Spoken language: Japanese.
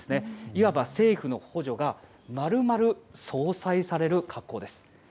いわば、政府の補助がまるまる相殺される格好です。